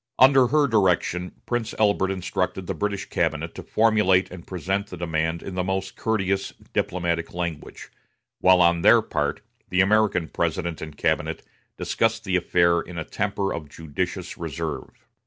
Under her direction, Prince Albert instructed the British cabinet to formulate and present the demand in the most courteous diplomatic language, while, on their part, the American President and cabinet discussed the affair in a temper of judicious reserve.